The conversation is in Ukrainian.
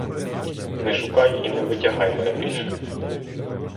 Не шукай і не витягай мене більше.